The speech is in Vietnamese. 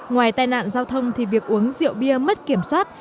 ngoài tai nạn giao thông thì việc uống rượu bia mất kiểm soát